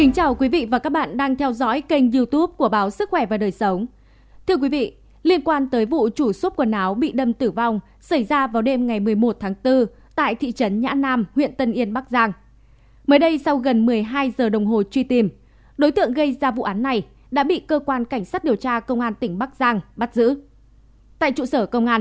chào mừng quý vị đến với bộ phim hãy nhớ like share và đăng ký kênh của chúng mình nhé